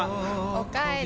おかえり。